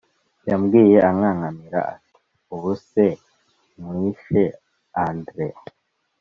Yambwiye ankankamira ati ubu se nkwishe Andre